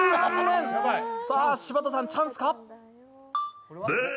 柴田さん、チャンスか？